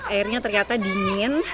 airnya ternyata dingin